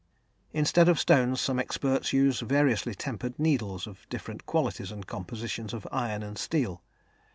Instead of stones, some experts use variously tempered needles of different qualities and compositions of iron and steel.